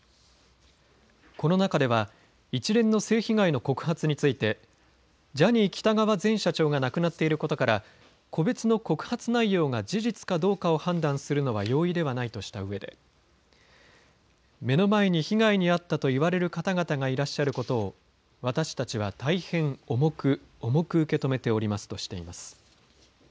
この中では一連の性被害の告発についてジャニー喜多川前社長が亡くなっていることから個別の告発内容が事実かどうかを判断するのは容易ではないとしたうえで目の前に被害に遭ったと言われる方々がいらっしゃることを私たちは大変重く重く受け止めておりますとしています。